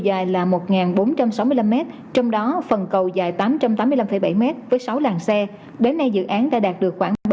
dài là một bốn trăm sáu mươi năm mét trong đó phần cầu dài tám trăm tám mươi năm bảy mét với sáu làn xe đến nay dự án đã đạt được khoảng bảy mươi